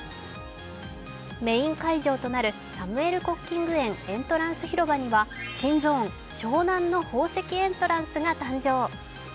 メーン会場となるサムエル・コッキング苑エントランス広場には新ゾーン・湘南の宝石エントランスが誕生。